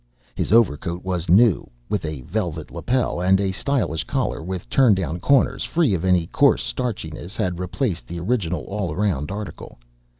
His overcoat was new, with a velvet lapel, and a stylish collar with turn down corners, free of any coarse starchiness, had replaced the original all round article.